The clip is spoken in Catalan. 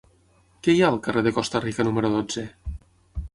Què hi ha al carrer de Costa Rica número dotze?